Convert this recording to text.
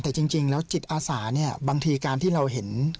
แต่จริงแล้วจิตอาสาเนี่ยบางทีการที่เราเห็น